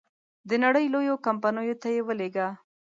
د نړی لویو کمپنیو ته یې ولېږه.